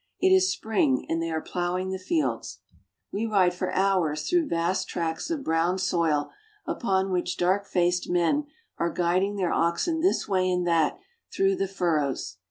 It is spring, and they are plowing the fields. We ride for hours through vast tracts of brown soil upon which dark faced men are guiding their oxen this way and that through the furrows.